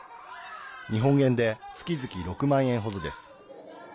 日本円で月々６万円程です。